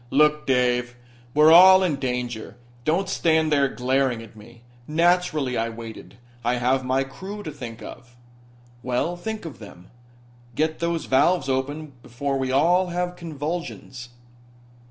"Look, Dave, we're all in danger. Don't stand there glaring at me. Naturally I waited. I have my crew to think of." "Well, think of them. Get those valves open before we all have convulsions."